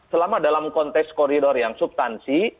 selama dalam konteks koridor yang subtansi